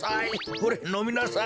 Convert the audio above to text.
ほれのみなさい！